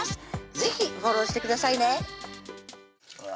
是非フォローしてくださいねうわ